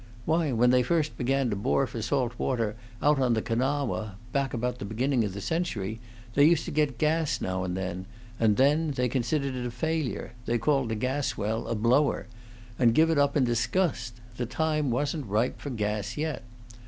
Why, when they first began to bore for salt water out on the Kanawha, back about the beginning of the century, they used to get gas now and then, and then they considered it a failure; they called a gas well a blower, and give it up in disgust; the time wasn't ripe for gas yet.